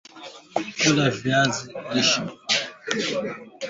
Safisha viazi lishe kwa maji masafi